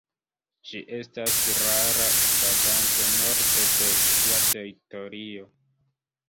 Ĝi estas rara vaganto norde de sia teritorio.